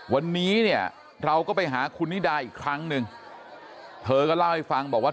วันนี้เนี่ยเราก็ไปหาคุณนิดาอีกครั้งหนึ่งเธอก็เล่าให้ฟังบอกว่า